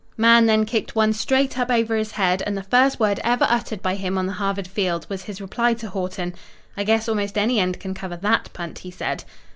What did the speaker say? Mahan then kicked one straight up over his head, and the first word ever uttered by him on the Harvard field, was his reply to Haughton: "I guess almost any end can cover that punt," he said.